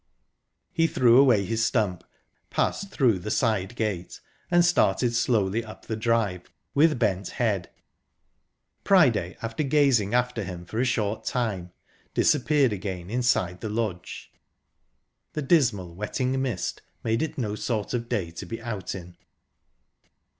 He threw away his stump, passed through the side gate, and started slowly up the drive, with bent head. Priday, after gazing after him for a short time, disappeared again inside the lodge. The dismal, wetting mist made it no sort of day to be out in.